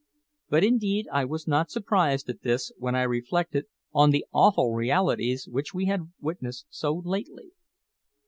But indeed I was not surprised at this when I reflected on the awful realities which we had witnessed so lately.